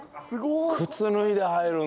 靴脱いで入るんだ。